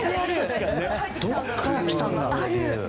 どこから来たんだっていう。